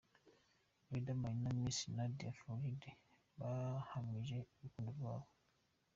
Riderman na Miss Nadia Farid bahamije urukundo rwabo.